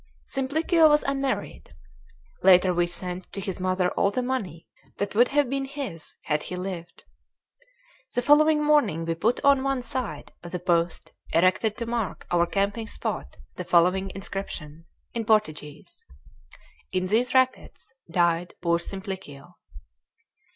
Simplicio was unmarried. Later we sent to his mother all the money that would have been his had he lived. The following morning we put on one side of the post erected to mark our camping spot the following inscription, in Portuguese: "IN THESE RAPIDS DIED POOR SIMPLICIO."